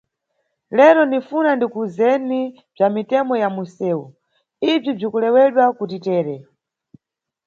Lero ninʼfuna ndikuwuzeni bza mitemo ya munʼsewu, ibzi bzikulewa kuti tere.